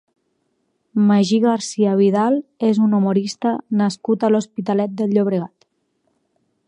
Magí Garcia Vidal és un humorista nascut a l'Hospitalet de Llobregat.